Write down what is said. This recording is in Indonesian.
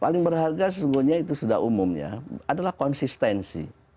paling berharga itu sesudah umumnya adalah konsistensi